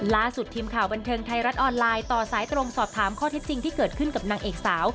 ล่าสุดทีมข่าวบันเทิงไทยรัฐออนไลน์ต่อสายตรงสอบถามข้อเท็จจริงที่เกิดขึ้นกับนางเอกสาว